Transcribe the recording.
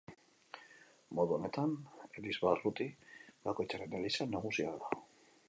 Modu honetan, elizbarruti bakoitzaren eliza nagusia da.